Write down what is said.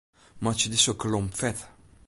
Meitsje dizze kolom fet.